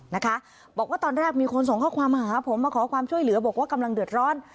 นะคะบอกว่าตอนแรกมีคนส่งข้อความมาหาผมมาขอความช่วยเหลือบอกว่ากำลังเดือดร้อน